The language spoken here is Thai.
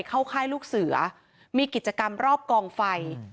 ค่ายลูกเสือมีกิจกรรมรอบกองไฟ